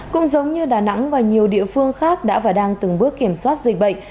cũng giống như đà nẵng và nhiều địa phương khác đã và đang từng bước kiểm soát dịch bệnh